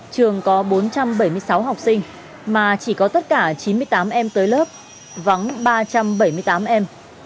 trường có bốn trăm bảy mươi sáu học sinh mà chỉ có tất cả chín mươi tám em tới lớp vắng ba trăm bảy mươi tám em